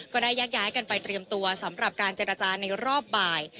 ก็ได้แยกย้ายกันไปเตรียมตัวสำหรับการเจรจาในรอบบ่าย